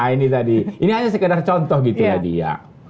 ini tadi ini hanya sekedar contoh gitu ya dia